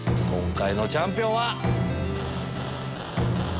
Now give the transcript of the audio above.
今回のチャンピオンは⁉